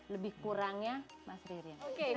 lebih kurangnya mas ririan